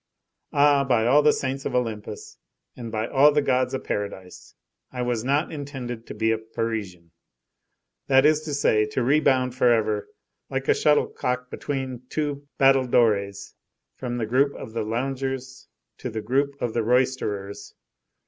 Ah! by all the saints of Olympus and by all the gods of paradise, I was not intended to be a Parisian, that is to say, to rebound forever, like a shuttlecock between two battledores, from the group of the loungers to the group of the roysterers.